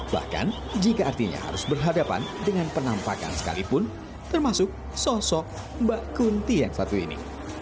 bahkan jika artinya harus berhadapan dengan penampakan sekalipun termasuk sosok mbak kunti yang satu ini